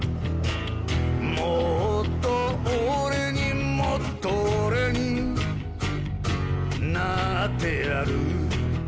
「もっと俺にもっと俺になってやる」